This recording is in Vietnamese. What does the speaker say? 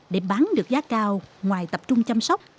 để bán được giá cao ngoài tập trung chăm sóc